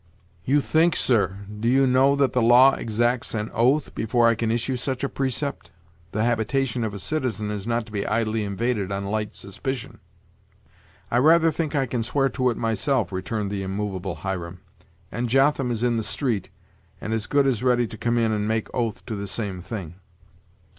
"You think, sir! do you know that the law exacts an oath, before I can issue such a precept? The habitation of a citizen is not to be idly invaded on light suspicion." "I rather think I can swear to it myself," returned the immovable Hiram; "and Jotham is in the street, and as good as ready to come in and make oath to the same thing."